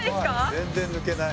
全然抜けない。